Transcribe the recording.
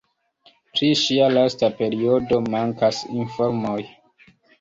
Pri ŝia lasta periodo mankas informoj.